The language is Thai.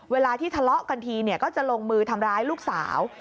เวลาที่ทะเลาะกันทีก็จะลงมือทำร้ายลูกสาว